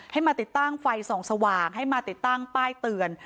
มาติดตั้งไฟส่องสว่างให้มาติดตั้งป้ายเตือน